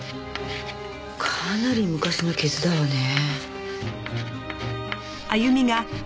かなり昔の傷だわね。